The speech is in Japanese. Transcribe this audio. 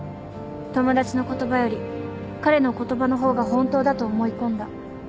友達の言葉より彼の言葉の方が本当だと思い込んだ。